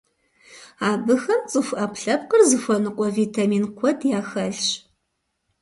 Абыхэм цӀыху Ӏэпкълъэпкъыр зыхуэныкъуэ витамин куэд яхэлъщ.